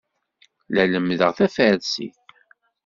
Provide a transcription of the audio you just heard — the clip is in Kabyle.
La lemmdeɣ tafarsit.